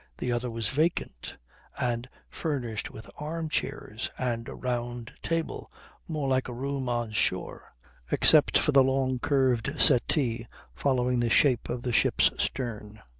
The other was vacant, and furnished with arm chairs and a round table, more like a room on shore, except for the long curved settee following the shape of the ship's stern.